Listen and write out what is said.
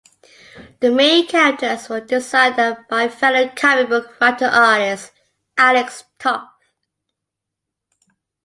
The main characters were designed by fellow comic book writer-artist Alex Toth.